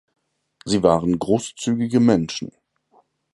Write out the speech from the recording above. Sie waren großzügige Menschen.